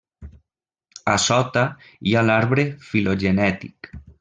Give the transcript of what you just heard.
A sota hi ha l'arbre filogenètic.